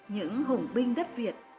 những hùng binh đất việt